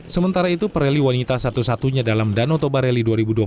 sementara itu rally wanita satu satunya dalam danau toba rally dua ribu dua puluh